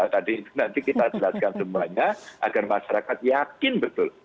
tadi itu nanti kita jelaskan semuanya agar masyarakat yakin betul